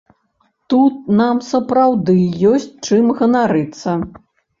Тут нам сапраўды ёсць чым ганарыцца.